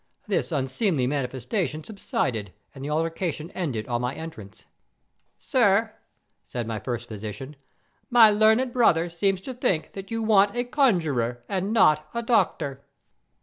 This unseemly manifestation subsided and the altercation ended on my entrance. "'Sir,' said my first physician,'my learned brother seems to think that you want a conjuror, and not a doctor.